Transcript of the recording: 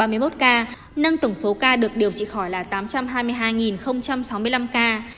nâng tổng số ca được điều trị khỏi là tám trăm hai mươi hai sáu mươi năm ca